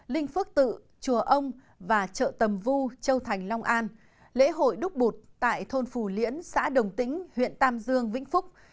linh phước tự chùa ông và chợ tầm vu châu thành long an lễ hội đúc bụt tại thôn phù liễn xã đồng tĩnh huyện tam dương vĩnh phúc